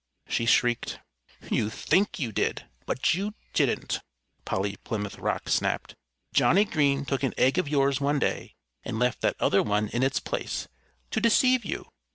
she shrieked. "You think you did; but you didn't," Polly Plymouth Rock snapped. "Johnnie Green took an egg of yours one day and left that other one in its place, to deceive you.